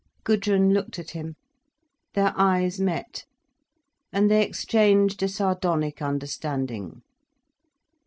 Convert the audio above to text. Gudrun looked at him. Their eyes met; and they exchanged a sardonic understanding.